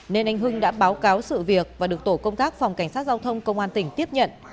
nên anh hưng đã báo cáo sự việc và được tổ công tác phòng cảnh sát giao thông công an tỉnh tiếp nhận